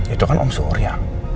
itu kan om surya